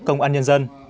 công an nhân dân